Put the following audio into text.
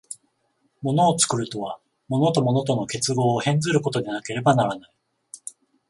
物を作るとは、物と物との結合を変ずることでなければならない。